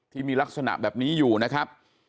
ที่มีลักษณะแบบนี้อยู่นะครับ